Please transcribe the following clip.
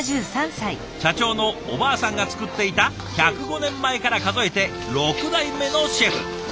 社長のおばあさんが作っていた１０５年前から数えて６代目のシェフ。